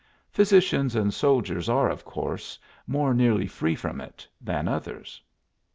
Physicians and soldiers are of course more nearly free from it than others."